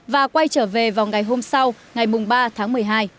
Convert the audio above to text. và quay trở về vào ngày hôm sau ngày ba tháng một mươi hai